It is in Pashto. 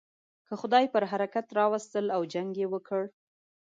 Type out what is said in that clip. که خدای پر حرکت را وستل او جنګ یې وکړ.